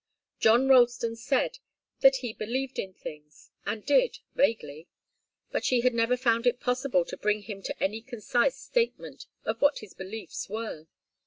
John Ralston said that he 'believed in things' and did, vaguely. But she had never found it possible to bring him to any concise statement of what his beliefs were.